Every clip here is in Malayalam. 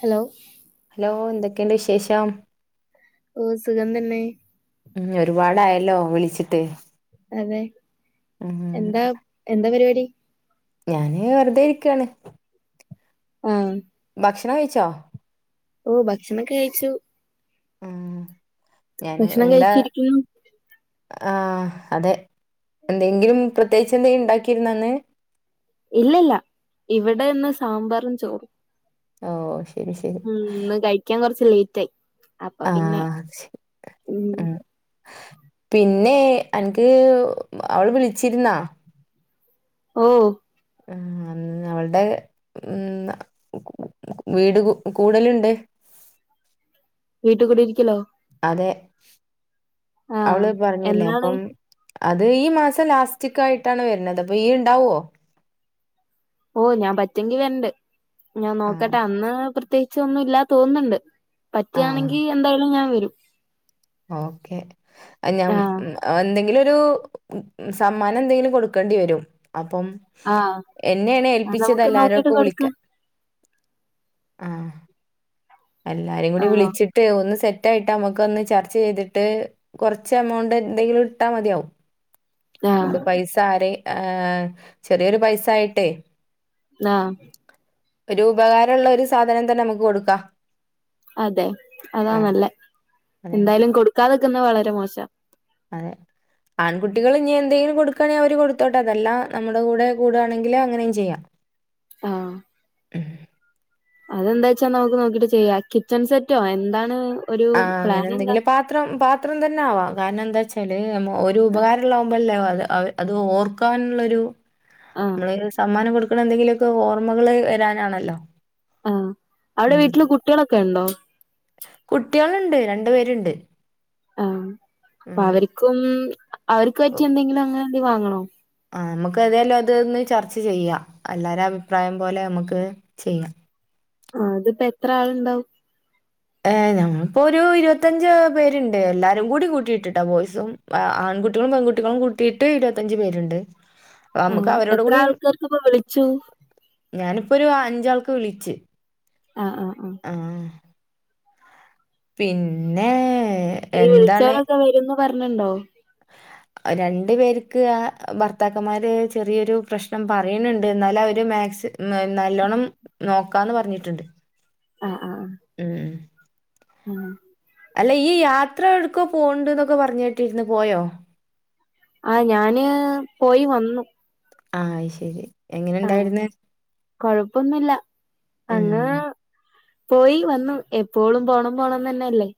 ഹലോ ഹലോ എന്തൊക്കെയുണ്ട് വിശേഷം ഓഹ സുഖം തന്നെ ഉം ഒരുപാടായല്ലോ വിളിച്ചിട്ട് അതെ ഉം എന്താ എന്താ പരിപാടി ഞാന് വെറുതെ ഇരിക്കായാണ് ആഹ ഭക്ഷണം കഴിച്ചോ ഓ ഹ ഭക്ഷണൊക്കെ കഴിച്ചു ഉം ഞാൻ ഭക്ഷണം എന്താ കഴിച്ചിരിക്കുന്നു ആഹ അതെ എന്തെങ്കിലും പ്രത്യേകിച്ച് എന്തെങ്കിലും ഉണ്ടാക്കിയിരുന്ന ഇന്ന് ഇല്ല ഇല്ല ഇവിടെ ഇന്ന് സാമ്പാറും ചോറും ഓഹ ഉം ന്ന് കഴിക്കാൻ കൊറച്ച് ലേറ്റ് ആയി അപ്പൊ പിന്നെ ആഹ് ഉ ഉം പിന്നെ അൻക്ക് അവള് വിളിച്ചിരുന്നാ ഓഹ ആഹ ഇന്ന അവളുടെ ഇന്ന വീട് കൂടലുണ്ട് വീട്ട് കുടിരിക്കലോ അതെ ആ അവള് പറഞ്ഞില്ലേ എന്നാണ് അപ്പം അത് ഈ മാസം ലാസ്റ്റ്കായിട്ടാണ് വരുന്നത് അപ്പൊ ഇയ്യ് ഉണ്ടാവോ ഓഹ ഞാൻ പറ്റെങ്കി വരണ്ട് ഞാൻ ആഹ് നോക്കട്ടെ അന്ന് പ്രത്യേകിച്ച് ഒന്നും ഇല്ലാ തോന്നുന്നുണ്ട് ആഹ് പറ്റാണെങ്കിൽ എന്തായാലും ഞാൻ വരും ഓക്കെ അയ്ഞാൻ ആ എന്തെങ്കിലും ഒരു സമ്മാനം എന്തെങ്കിലും കൊടുക്കേണ്ടി വരും അപ്പം ആ എന്നെണ് അത് ഏൽപ്പിച്ചത് നമുക്ക് നോക്കിട്ട് എല്ലാര്ക്കും കൊടുക്കാം വിളിക്കാൻ ആഹ് എല്ലാരേം കൂടി ആണോ വിളിച്ചിട്ട് ഒന്ന് സെറ്റായിട്ട് അമ്മക്ക് ഒന്ന് ചർച്ച ചെയ്തിട്ട് കോർച്ച് എമൗണ്ട് എന്തെങ്കിലും ഇട്ടാ മതിയാവും ആ മ്മക്ക് പൈസ ആരെ ചെറിയൊരു പൈസ ആയിട്ടേ ആഹ് ഒരു ഉപകാരള്ള ഒരു സാധനം തന്നെ നമ്മക്ക് കൊടുക്കാ അതെ അതാ നല്ലേ അതെ അതെ എന്തായാലും കൊടുക്കാതെക്ക്ന്നെ വളരെ മോശാ അതെ ആൺകുട്ടികള് ഇഞ്ഞ് എന്തെലും കൊടുക്കാണെങ്കി അവര് കൊടുത്തോട്ടെ അതല്ല നമ്മുടെ കൂടെ കൂടാണെങ്കില് അങ്ങനേം ചെയ്യ ആഹ് അതെന്താച്ചാ നമുക്ക് നോക്കിട്ട് ചെയ്യാ കിച്ചൺ സെറ്റോ എന്താണ് ഒരു ആഹ് അങ്ങനെ പ്ലാൻ എന്താ എന്തെങ്കിലും പാത്രം പാ ത്രം തന്നെ ആവാ കാരണം എന്താച്ചാല് അമ്മോ ഒരു ഉപകാരള്ളാകുമ്പല്ലേ [unintelligible] അത് ഓർക്കാനുള്ളൊരു ആഹ് [unintelligible] സമ്മാനം കൊടുക്ക്ണ് എന്തെങ്കിലുക്കെ ഓർമ്മകള് വരാനാണല്ലോ ആഹ് അവിടെ ഉം വീട്ടില് കുട്ടികളൊക്കെ ഇണ്ടോ? കുട്ടികള്ണ്ട് രണ്ടു പേരുണ്ട് ആഹ് ഉം പ്പഅവർക്കും അവർക്ക് പറ്റിയ എന്തെങ്കിലും അങ്ങനെന്തേം വാങ്ങണോ? ആഹ് അമ്മക്ക് ഏതായാലും അതൊന്ന് ചർച്ച ചെയ്യാ എല്ലാരിം അഭിപ്രായം പോലെ അമ്മക്ക് ചെയ്യ ആഹ് ഇത്പ്പ എത്ര ആള്ണ്ടാവും? ഏഹ് ഞമ്മളി പ്പോ ഒരു ഇരുപത്തഞ്ച് പേര്ണ്ട് എല്ലാരും കൂടി കൂട്ടിട്ട്ട്ടാ ബോയ്സും ആൺകുട്ടികളും, പെൺകുട്ടികളും കൂട്ടിട്ട് ഇരുപത്തഞ്ചു പേര്ണ്ട് അഹ് അമ്മക്ക് ആഹ് അവരോടും എത്ര കൂടിം ആൾക്കാർക്ക് ഇപ്പോ വിളിച്ചു ഞാനിപ്പോ ഒരു അഞ്ചാൾക്ക് വിളിച്ച് ആഹ് ആഹ് ആഹ് ആഹ് പിന്നേ ഈ വിൾച്ചോരൊക്കെ വെരുംന്ന് പർഞ്ണ്ടോ? രണ്ട് പേർക്ക് ആഹ് ഭർത്താക്കന്മാര് ചെറിയൊരു പ്രശ്നം പറിണ് ണ്ട് എന്നാലും അവര് മാക്സി ന നല്ലോണ്ണം നോക്കാന്ന് പറഞ്ഞിട്ട്ണ്ട് ആഹ് ആഹ് ഉം ആഹ് അല്ല ഇയ്യ് യാത്ര എവ്ട്ക്കോ പോണ് ണ്ട്ന്നൊക്കെ പർഞ് കേട്ടിര്ന്ന് പോയോ? ആഹ് ഞാന് പോയി വന്നു ആഹ് അത് ശെരി ആഹ് എങ്ങനെണ്ടായിര്ന്ന് കൊഴപ്പൊന്നുല്ല അങ്ങ് ഉം പോയി വന്നു എപ്പോളും പോണം പോണം ന്നെനല്ലേ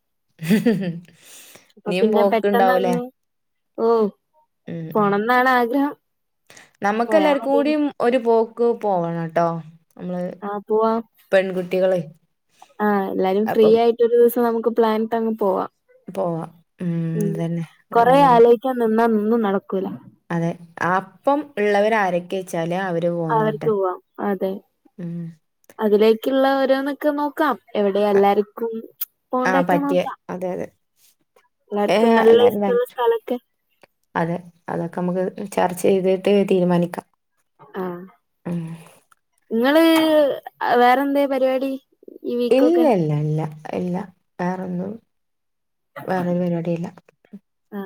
അപ്പ ഇനിയും പിന്നെ പോക്കുണ്ടാവൂലേ പെട്ടെന്നങ്ങ് ഓഹ് പോണംന്നാണ് ആഗ്രഹം പോയാ നമ്മക്കെല്ലാർക്കു മതിയേനു കൂടിം ഒരു പോക്ക് പോവണട്ടോ? ആഹ് പോവാ ആഹ് എല്ലാരും ഫ്രീ അപ്പം ആയി ട്ടൊരൂസം നമ്മക്ക് പ്ലാനിട്ട് അങ്ങ് പോവാ പോവാ ഉം തന്നെ കൊറേ [unintelligible] നിന്നാ ഒന്നും നടക്കൂല അതെ അപ്പം ഇള്ളവരാ ആരൊ കെച്ചലാ അവര് പോന്നോട്ടെ അവർക്ക് പോവാം അതെ ഉം. അതിലേക്കുള്ള ഓരോന്നൊക്കെ നോക്കാം എവിടെ അ എല്ലാർക്കും ആഹ് പോണ്ടക്കെ പറ്റിയ നോക്കാം. അതെ അതെ എല്ലാർക്കും ഏഹ് നല്ല എല്ലാരും ഇഷ്ടള്ള വരണം. സ്ഥലൊക്കെ. അതെ അതൊക്കെ നമുക്ക് ചർച്ച ചെയ്തിട്ട് തീരുമാനിക്കാം. ആഹ് ഉം. ഇങ്ങള് വേറെന്താ പരിപാടി ഈ ഇല്ല വീക്കൊക്കെ ഇല്ല ഇല്ല ഇല്ല വേറൊന്നും. വേറെരു പരിപാടിയില്ല ആ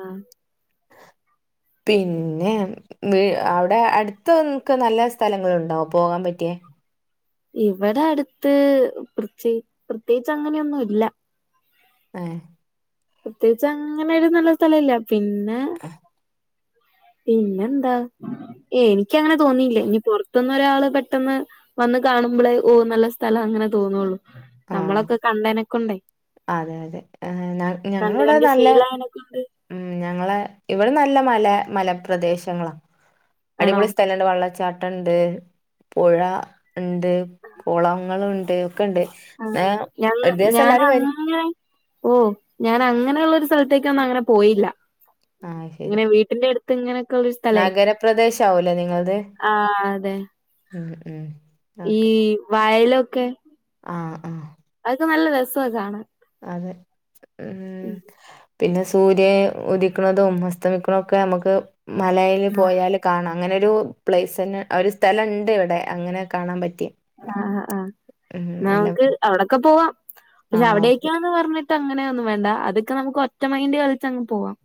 പിന്നെ. അവിടെ അടുത്തൻക്ക് നല്ല സ്ഥലങ്ങളുണ്ടോ പോകാൻ പറ്റിയേ. ഇവിടെ അടുത്ത് പ്രത്യേ പ്രത്യേകിച്ച് അങ്ങനെയൊന്നും ഇല്ല. ഏഹ് പ്രത്യേകിച്ച് അങ്ങനൊരു നല്ല സ്ഥലല്ല പിന്നെ. പിന്നെന്താ എനിക്കങ്ങനെ തോന്നിയില്ല ഇനി പൊർത്ത്ന്ന് ഒരാള് പെട്ടെന്ന് വന്ന് കാണുമ്പളേ ഓ നല്ല സ്ഥലാ അങ്ങനെ തോന്നുള്ളു ആഹ്. നമ്മളൊക്കെ കണ്ടേനക്കൊണ്ടേ അതെ അതെ ഞങ്ങളവടെ നല്ല നോക്ണ്ട് ഉം ഞങ്ങള ഇവിടെ നല്ല മല മലപ്രദേശങ്ങളാ ആണോ അടിപൊളി സ്ഥല വെള്ളച്ചാട്ടണ്ട്. പുഴ ഉണ്ട് കുളങ്ങളുണ്ട് ഒക്കെണ്ട്. ആഹ് ഞങ്ങ ഞാനങ്ങ ഓഹ് ഞാനങ്ങനെള്ള ഒരു സ്ഥലത്തേക്ക് ഒന്നും അങ്ങനെ പോയില്ല. ആഹ് ശരി ഇങ്ങനെ വീട്ടിന്റെ അടുത്ത് ഇങ്ങനെയൊക്കെള്ള സ്ഥലേ നഗരപ്രദേശ ആവൂലേ നിങ്ങളത് ആ അതെ. ഉം ഉം ഈ ഓക്കെ വയലൊക്കെ ആഹ് ആഹ് അതൊക്കെ നല്ല രസ കാണാൻ. അതെ ഉം പിന്നെ സൂര്യ ഉദിക്ക്ണതും അസ്തമിക്കണക്കെ നമ്മക്ക് മലയിൽ ആ പോയാല് കാണാം അങ്ങനൊരു പ്ലേസ് തന്നെ ഒരു സ്ഥലണ്ട് ഇവിടെ അങ്ങനെ കാണാൻ പറ്റി അഹ് അഹ് ആഹ് ഉം എന്നാ നല്ല നമുക്ക് അവിടൊക്കെ പോവാം പക്ഷെ ആഹ് ഓക്കെ അവിടേക്കാന്ന് പറഞ്ഞി ട്ട് അങ്ങനെയൊന്നും വേണ്ട അതൊക്കെ നമുക്ക് ഒറ്റ മൈന്റ് കളിച്ചങ്ങ് പോവാം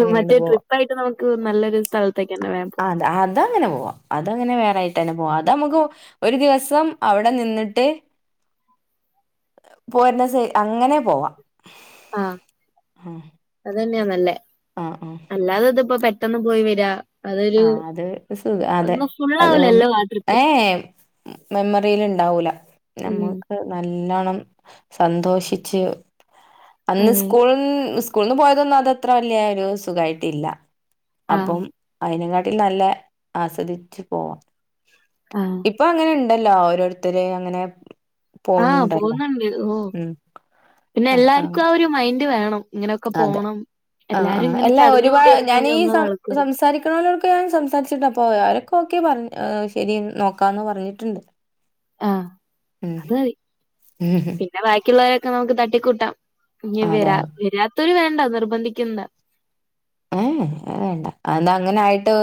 അങ്ങനെയണ്ട് മറ്റേ പോ ട്രിപ്പായിട്ട് നമുക്ക് നല്ലൊരു സ്ഥലത്തേക്ക് തന്നെ വേം പോവാം അത് അതങ്ങനെ പോവാം അതങ്ങനെ വേറെയായിട്ട് തന്നെ പോവാ അതമുക്കു ഒരു ദിവസം അവിടെ നിന്നിട്ട് പോരുന്നസേ അങ്ങനെ പോവാ ആഹ് അതന്നെയാന്നല്ലേ ആഹ് ആഹ് അല്ലാതിതിപ്പോ പെട്ടന്ന് പോയി വരാ അതൊരു ആഹ് അത് സുഖ അതെ ഒന്നും ഫുള്ളാവുലല്ലോ ആ ട്രിപ്പ്‌ മെമ്മറീല് ഉണ്ടാവൂല ഉം നമ്മക്ക് നല്ലൊണം സന്തോഷിച്ച് അന്ന് അതെ സ്കൂൾ സ് കൂൾന്ന് പോയതൊന്നും അതത്ര വല്യ ഒരു സുഖായിട്ടില്ല ആഹ് അപ്പം അയിനെങ്കാട്ടി നല്ലേ ആസ്വദിച്ചു പോവാം ആഹ് ഇപ്പൊ അങ്ങനെ ഉണ്ടല്ലോ ഓരോരുത്തര് അങ്ങനെ ആഹ് പോണുണ്ടല്ലോ പോന്നുണ്ട് ഓ ഉം പിന്നെ അപ്പ എല്ലാർക്കും ആ ഒരു മൈൻഡ് വേണം ഇങ്ങനൊക്കെ അതെ പോണം ആഹ് എല്ലാരും ആഹ് ഇങ്ങനെ എല്ലാ ചടഞ്ഞുകൂടി ഇരുന്ന് കഴിഞ്ഞാ ഒന്നും നടക്കൂല പറ്റുന്നൊലോടെക്കെ ഞാൻ സംസാരിച്ചിണ്ട് അപ്പോ അവരൊക്കെ ഓക്കെ പറഞ്ഞ് ഏഹ് ശരി നോക്കാന്ന് പറഞ്ഞിട്ടുണ്ട് ആഹ് ഉം അത് മതി ഉം ഹും പിന്നെ ബാക്കിയുള്ളവരൊക്കെ നമുക്ക് തട്ടിക്കൂട്ടാം ഇനി അതെ വരാ വരാത്തവര് വേണ്ട നിർബന്ധിക്കണ്ടാ ഏഹ് അത് വേണ്ട അതെന്താ അങ്ങനായിട്ട്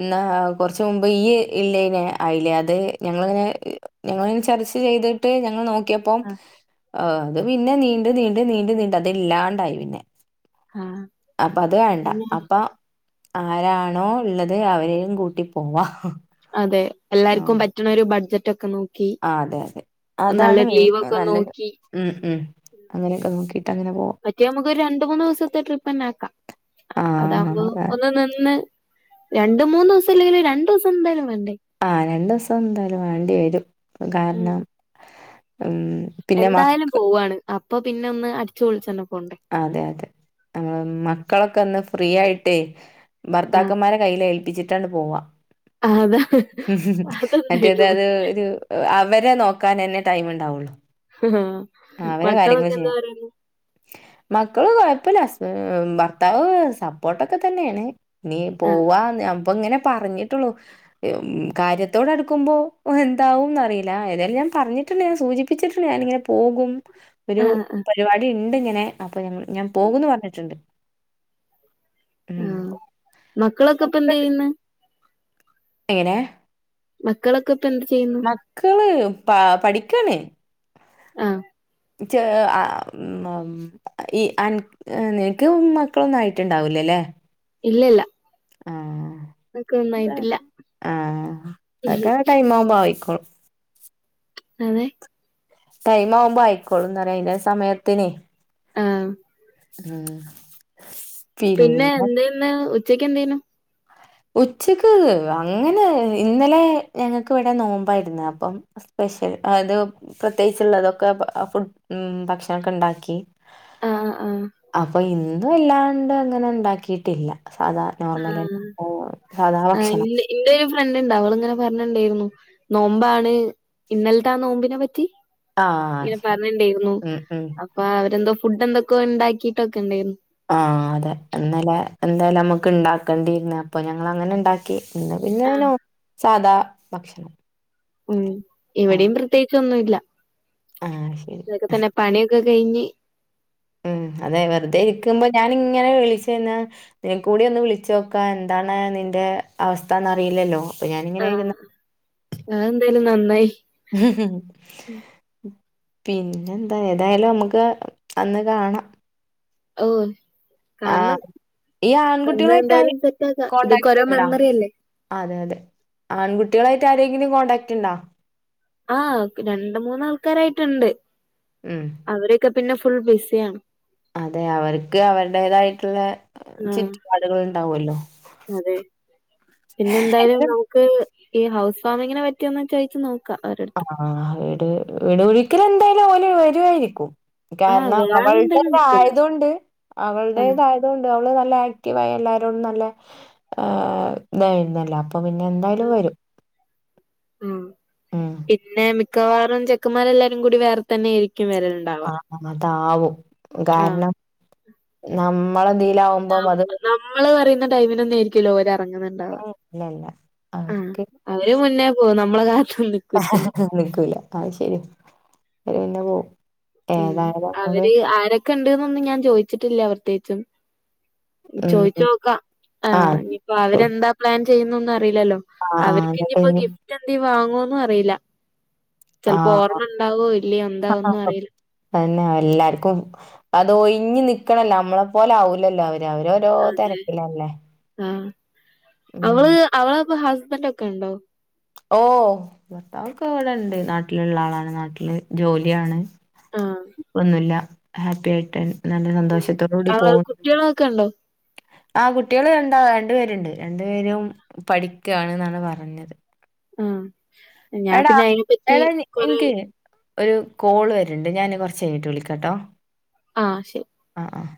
എന്നാ കൊറച്ച് മുമ്പ് ഈ ഇല്ലേന് ആയില്ലേ അത് ഞങ്ങളിങ്ങനെ ഞങ്ങള് ഇങ്ങനെ ചർച്ച ചെയ്തിട്ട് ഞങ്ങൾ നോ നോക്കിയപ്പം ആഹ് അത് പിന്നെ നീണ്ട് നീണ്ട് നീണ്ട് നീണ്ട് അത് ഇല്ലാണ്ടായി പിന്നെ ആഹ് അപ്പൊ അത് വേണ്ട അതന്നെ അപ്പൊ ആരാണോ ഉള്ളത് അവരെയും കൂട്ടി പോവാ അതെ എല്ലാർക്കും പറ്റണ ഒരു ബഡ്ജറ്റ് ഒക്കെ നോ ക്കി ആ അതെ അതെ അതാണ് നല്ല മെയിൻ നല്ലൊരു ലീവൊക്കൊന്നോക്കി ഉം ഉം അങ്ങനെയൊക്കെ നോക്കിട്ട് അങ്ങനെ പോ മറ്റേ നമുക്കൊരു രണ്ട് മൂന്ന് ദിവസത്തെ ട്രിപ്പ് തന്നാക്കാം ആ അതാകുമ്പോ അതെ. ഒന്ന് നിന്ന് രണ്ടു മൂന്ന് ദിവസം ഇല്ലെങ്കിലും രണ്ടു ദിവസം എന്തായാലും വേണ്ടേ ആഹ് രണ്ട് ദിവസം എന്തായാലും വേണ്ടി വരും ഉം കാരണം ഉം പിന്നെ മ എന്തായാലും പോവാണ് അപ്പൊ പിന്നെ ഒന്ന് അടിച്ചു പൊളിച്ചു തന്നെ പോണ്ടേ അതെ അതെ ഏഹ് മക്കളൊക്കെ ഒന്ന് ഫ്രീ ആയിട്ടേ ആ ഭർത്താക്കന്മാരെ കയ്യില് ഏൽപ്പിച്ചിട്ടാണ്ട് പോവാം ആ, അതാ മറ്റേത് അതെന്തായാലും അത് ഒന്ന്. ഒരു അവരെ നോക്കാനന്നെ ടൈം ഉണ്ടാവുള്ളൂ ആഹ് മക്കളൊക്കെ എന്തോ പറയുന്ന് മക്കള് കൊഴപ്പില്ല ഹസ് ഭർത്താവ് സപ്പോർട്ടൊക്കെ തന്നെയാണ് നീ ആ പോവാ അപ്പ ഇങ്ങനെ പറഞ്ഞിട്ടുള്ളു കാര്യത്തോടടുക്കുമ്പോ എന്താവുംന്ന് അറിയില്ല ഏതായാലും ഞാൻ പറഞ്ഞി പറഞ്ഞിട്ടുണ്ട് ഞാൻ സൂചിപ്പിച്ചിട്ടുണ്ട് ഞാനിങ്ങനെ പോകും ആ ഒരു ആ ആ പരിപാടി ഇണ്ട് ഇങ്ങനെ അപ്പൊ ഞങ്ങൾ ഞാൻ പോകൂന്ന് പറഞ്ഞിട്ടൊണ്ട് ഉം മക്കളൊക്കെ ഇപ്പ എന്ത്‌ ചെയ്യ്ന്ന് എങ്ങനേ മക്കളൊക്കെ ഇപ്പൊ എന്ത്‌ ചെയ്യി മക്കള് പ പഠിക്കാണ്. ആഹ് [unintelligible] ഈ നിനക്ക് മക്കളൊന്നും ആയിട്ടുണ്ടാവൂലല്ലേ. ഇല്ലില്ല. ആഹ് ആഹ് അതൊക്കെ ആ ടൈം ആകുമ്പോ ആയികൊളും. അതെ. ടൈം ആവുമ്പോ ആയിക്കോളുംന്ന് പറയാ അയിന്റെ സമയത്തിനേ. ആഹ് ഉം. പിന്നെ എന്തന്ന് ഉച്ചക്ക് എന്തേയ്നു ഉച്ചക്ക് അങ്ങനെ ഇന്നലെ ഞങ്ങൾക്ക് ഇവിടെ നോമ്പായിരുന്ന അപ്പം. സ്പെഷ്യൽ അത്. പ്രത്യേകിച്ചുള്ളതൊക്കെ ഫുഡ് ഉം ഭക്ഷണമൊക്കെ ഉണ്ടാക്കി. ആഹ് ആഹ്. അപ്പൊ ഇന്നും എല്ലാണ്ട് അങ്ങനെ ഉണ്ടാക്കിട്ടില്ല സാധാരണ നോർമല് സാധാ ഭക്ഷണം. ണ്ട് അവളിങ്ങനെ പറഞ്ഞിണ്ടായിരുന്നു നോമ്പാണ് ഇന്നലത്തെ ആ നോമ്പിനെ പറ്റി. ആഹ് ഇങ്ങനെ ശരി പറഞ്ഞിണ്ടായിരുന്നു ഉം ഉം അപ്പൊ അവര് എന്തോ ഫുഡ് എന്തൊക്കോ ഉണ്ടാക്കിട്ടൊക്കെ ഉണ്ടായിരുന്നു. ആഹ് അതെ ഇന്നലെ എന്തായാലും നമുക്ക് ഉണ്ടാക്കേണ്ടിയിരുന്നു അപ്പൊ ഞങ്ങള് അങ്ങനെയിണ്ടാക്ക ഇന്ന് പിന്നെ ആഹ് ഏനോ സാധാ ഭക്ഷണം. ഉം ആഹ് ഇവിടെയും പ്രത്യേകിച് ഒന്നുയില്ല. ആഹ് ശരി. ഇപ്പൊ തന്നെ പണിയൊക്കെ കഴിഞ്ഞ്- ഉം അതെ വെറുതെ ഇരിക്കുമ്പോ ഞാനിങ്ങനെ വിളിച്ചെന്നാ ഇതെക്കൂടി കൂടി ഒന്ന് വിളിച്ചു നോക്കാ എന്താണ് നിന്റെ അവസ്ഥ എന്ന്റിയില്ലല്ലോ അപ്പൊ ഞാനിങ്ങനെ ഇരുന്ന് - അത് എന്തായാലും നന്നായി. [inaudible] പിന്നെ എന്താ ഏതായാലും നമുക്ക് അന്ന് കാണാം. ഓഹ്. കാരണം ആഹ് ഈ അന്ന് ആൺകുട്ടികളായിട്ടായി എന്തായാലും സെറ്റ് ആക്കാം ഇതൊക്കെ ഓരോ കോൺടാക്ട്ണ്ടാ? മെമ്മറി അല്ലേ. അതെ അതെ ആൺകുട്ടികളായിട്ട് ആരെങ്കിലും കോൺടാക്ട് ഉണ്ടോ? ആഹ് രണ്ട് മൂന്നാൾക്കാരായിട്ടുണ്ട്. ഉം. അവരൊക്കെ പിന്നെ ഫുൾ ബിസിയാണ്. അതെ അവർക്ക് അവരുടേതായിട്ടുള്ള ആഹ് ചുറ്റുപാടുകൾ ഉണ്ടാവല്ലോ. അതെ. പിന്നെ എന്തായാലും നമുക്ക് ഈ ഹൗസ് ഫാമിങ്ങിനെ പറ്റിയോന്ന് ചോദിച്ചു നോക്കാം അവര ആ വീട് വീട് ഒഴരിക്കല് എന്തായാലും ഓല് വരുവായിരിക്കും. ആഹ് കാരണം വേറെ എന്തായാലും നിക്കൂല അവളുടെതായതൊണ്ട് ആഹ് അവളുടെതായ പിന്നെ എന്തുവാ അവള് നല്ല ആക്റ്റീവ ആ എല്ലാരരോടും നല്ല- ആഹ് ഇതായിരുന്നില്ല അപ്പൊ പിന്നെ എന്തായാലും വരും. ഉം ആഹ് പിന്നെ മിക്കവാറും ചെക്കൻമാര് എല്ലാരും കൂടി വേറെ തന്നൊയിയിരിക്കും വരെണുണ്ട അതാവും കാരണം നമ്മള് എന്തികിലും ആവുമ്പോ- നമ്മള് പറയുന്ന ടൈമിൻ ഒന്നും ആരിക്ക ക്കില്ല ഓല് എറങ്ങുന്നുണ്ടാവ ഇല്ലല്ല അവർക്ക് അവര് മുന്നേ പോകും നമ്മളെ കാത്തൊന്നും നിക്കി - [unintelligible] നിക്കൂല അ ശരി അ പിന്നെ പോവും. ഉം ഏതായാലും നമുക്ക് അവര് ആരൊക്കെ ഉണ്ട്ന്നൊന്നും ഞാൻ ചോയിച്ചിട്ടില്ല പ്രേത്യകിച്ചോന്നും - ചോദിച്ച് ഉം നോക്കാം ആ ആഹ് ഇനിപ്പോ അവരെന്താ പ്ലാൻ ചെയ്യുന്നൊന്നും അറിയില്ലല്ലോ. ആഹ് ആഹ് അവർക്ക്‌ എന്നിട്ട് ഇനിയിപ്പോ ഇനി ഗിഫ്- റ്റ് എന്തി വാങ്ങോന്നും അറിയില്ല ചെലപ്പോ ഓർമ്മ ഉണ്ടാവോ ഇല്ലോ എന്താ ഒന്നും അറിയില്ല അത് ന്നെ എല്ലാർക്കും അത് ഒഴിഞ്ഞി നിക്കണല്ലോ നമ്മളെ പോലെ ആവൂലല്ലോ അവര് അവരോ - ഓരോ അതെ തെരക്കിലല്ലേ ആഹ് ഉം അവള് ഇപ്പോ ഹസ്ബൻറ് ഒക്കെ ഉണ്ടോ ഓഹ് ഭർത്താവൊക്കെ ഇവിടെ ഒണ്ട് നാട്ടിലുള്ള ആളാണ് നാട്ടില് ജോലിയാണ് ആഹ് ഒന്നുമില്ല ഹാപ്പി ആയിട്ടാണ് നല്ല ഉം സന്തോഷത്തോട കൂടി അവ പോവ് [inaudible] കുട്ടികളൊക്കെ ഉണ്ടോ ആഹ് കുട്ടികള് രണ്ടാ രണ്ട് പേരുണ്ട് രണ്ട് പേരും പഠിക്കാണ്ന്നാണ് പറഞ്ഞത് ആഹ് ഞാൻ എടാ പിന്നെ അയ്നെപ്പറ്റി എടാ ക്കുറി എനിക്ക് ഒരു കോള് വെര്ണ്ട് ഞാന് കൊർച്ച് കഴിഞ്ഞ്ട്ട് വിളിക്കാട്ടോ ആഹ് ശരി ആഹ് ആഹ്